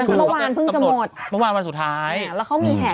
คือเมื่อวานเพิ่งจะหมดเมื่อวานวันสุดท้ายแล้วเขามีแห่